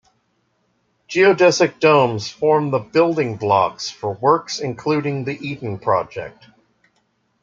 Geodesic domes form the building blocks for works including The Eden Project.